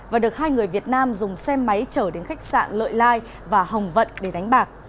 và được hai người việt nam dùng xe máy chở đến khách sạn lợi lai và hồng vận để đánh bạc